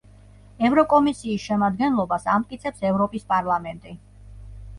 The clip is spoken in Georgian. ევროკომისიის შემადგენლობას ამტკიცებს ევროპის პარლამენტი.